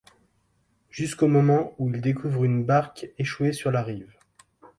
Jusqu'au moment où ils découvrent une barque échouée sur la rive.